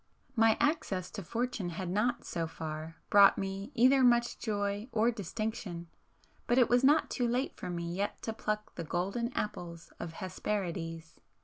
My access to fortune had not, so far, brought me either much joy or distinction,—but it was not too late for me yet to pluck the golden apples of Hesperides.